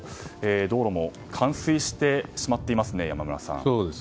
道路も冠水してしまっていますね山村さん。